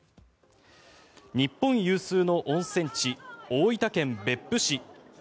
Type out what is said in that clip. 日本有数の温泉地大分県別府市。